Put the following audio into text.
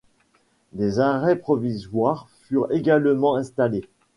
Des arrêts provisoires furent également installés.